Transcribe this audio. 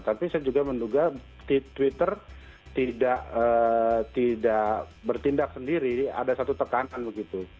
tapi saya juga menduga twitter tidak bertindak sendiri ada satu tekanan begitu